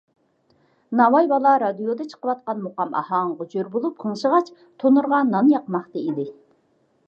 ناۋاي بالا رادىيودا چىقىۋاتقان مۇقام ئاھاڭىغا جور بولۇپ غىڭشىغاچ تونۇرغا نان ياقماقتا ئىدى.